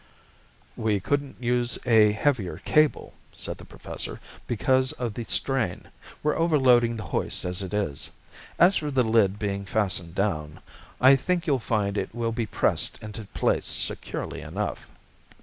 "We couldn't use a heavier cable," said the Professor, "because of the strain. We're overloading the hoist as it is. As for the lid being fastened down I think you'll find it will be pressed into place securely enough!"